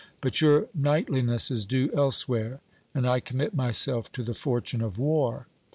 But your knightliness is due elsewhere; and I commit myself to the fortune of war.